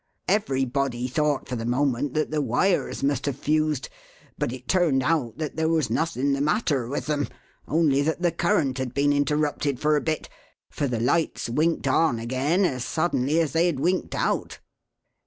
Everybody thought for the moment that the wires must have fused, but it turned out that there was nothing the matter with them only that the current had been interrupted for a bit for the lights winked on again as suddenly as they had winked out."